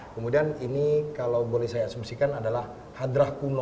kemudian ini kalau boleh saya asumsikan adalah hadrah kuno